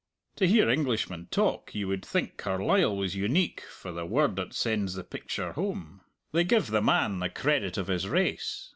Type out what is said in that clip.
To hear Englishmen talk, you would think Carlyle was unique for the word that sends the picture home they give the man the credit of his race.